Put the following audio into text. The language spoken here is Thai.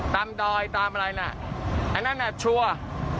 ดอยตามอะไรน่ะอันนั้นน่ะชัวร์